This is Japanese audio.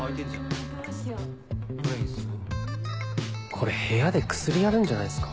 これ部屋で薬やるんじゃないですか？